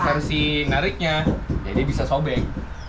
tersebut yang bisa sobek